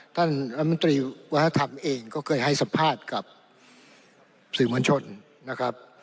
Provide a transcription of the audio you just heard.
ท่านรัฐมนตรีวัฒนธรรมเองก็เคยให้สัมภาษณ์กับสื่อมวลชนนะครับ